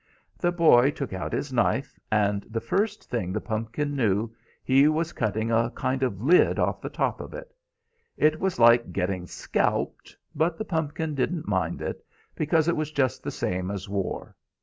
The boy took out his knife, and the first thing the pumpkin knew he was cutting a kind of lid off the top of it; it was like getting scalped, but the pumpkin didn't mind it, because it was just the same as war.